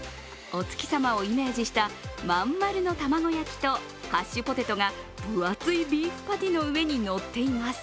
お月さまをイメージした真ん丸の卵焼きとハッシュポテトが分厚いビーフパティの上に乗っています。